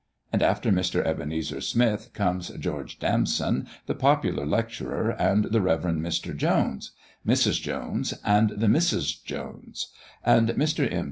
And after Mr. Ebenezer Smith, comes George Damson, the popular lecturer, and the Rev. Mr. Jones, Mrs. Jones, and the Misses Jones; and Mr. M.